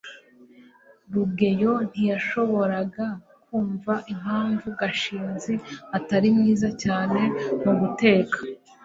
rugeyo ntiyashoboraga kumva impamvu gashinzi atari mwiza cyane muguteka